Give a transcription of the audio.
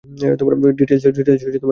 Details এখানে আছে।